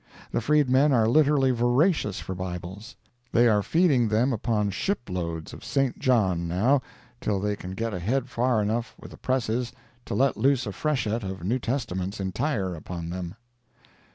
The freedmen are literally voracious for Bibles. They are feeding them upon shiploads of St. John, now, till they can get ahead far enough with the presses to let loose a freshet of New Testaments entire upon them.